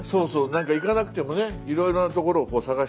なんか行かなくてもねいろいろなところをこう探して